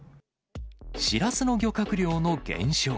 しらすの漁獲量の減少。